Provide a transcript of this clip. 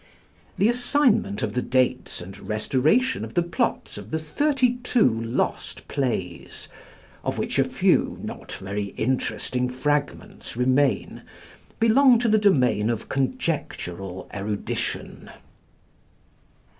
The assignment of the dates and restoration of the plots of the thirty two lost plays, of which a few not very interesting fragments remain, belong to the domain of conjectural erudition.